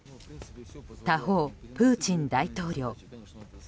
他方、プーチン大統領。